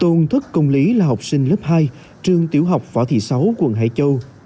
tôn thất công lý là học sinh lớp hai trường tiểu học võ thị sáu quận hải châu